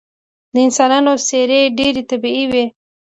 د انسانانو څیرې ډیرې طبیعي وې